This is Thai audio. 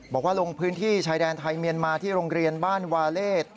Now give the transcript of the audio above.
บอกว่าลงพื้นที่ชายแดนไทยเมียนมาที่โรงเรียนบ้านวาเลศ